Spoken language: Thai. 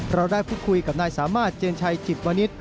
เราได้พูดคุยกับนายสามารถเจนชัยจิตวนิษฐ